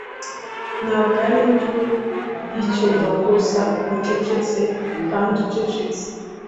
Ntabwo ari induru y'icyunamo gusa ucecetse kandi ucecetse